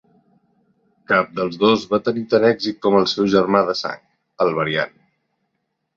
Cap dels dos va tenir tant èxit com el seu germà de sang, el Variant.